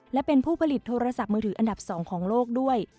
และเป็นผู้ผลิตโทรศัพท์มือถืออันดับ๒ของโลกด้วย